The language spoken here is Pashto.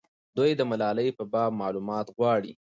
دوی د ملالۍ په باب معلومات غواړي.